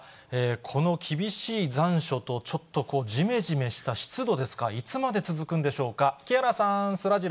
この厳しい残暑と、ちょっとじめじめした湿度ですか、いつまで続くんでしょうか。